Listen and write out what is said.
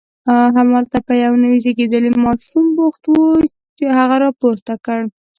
همالته په یو نوي زیږېدلي ماشوم بوخت و، هغه یې راپورته کړ.